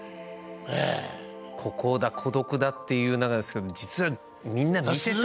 孤高だ孤独だっていう中ですけども実はみんな見てたと。